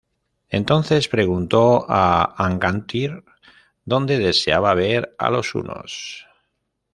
Entonces preguntó a Angantyr donde deseaba ver a los hunos.